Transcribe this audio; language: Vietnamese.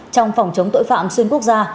trong phòng chống tội phạm xuyên quốc gia